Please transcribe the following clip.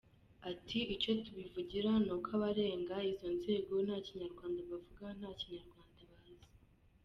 Ati“Icyo tubivugira ni uko abarenga izo nzego nta Kinyarwanda bavuga, nta Kinyarwanda bazi.